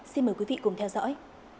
xin mời quý vị cùng theo dõi